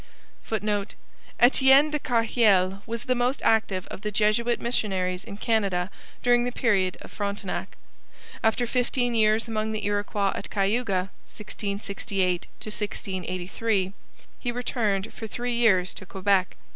[Footnote: Etienne de Carheil was the most active of the Jesuit missionaries in Canada during the period of Frontenac. After fifteen years among the Iroquois at Cayuga (1668 83) he returned for three years to Quebec.